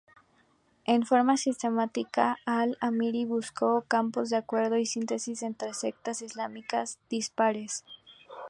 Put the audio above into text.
En forma sistemática Al-'Amiri buscó campos de acuerdo y síntesis entre sectas islámicas dispares.